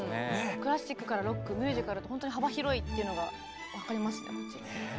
クラシックからロックミュージカルとほんとに幅広いっていうのが分かりますね。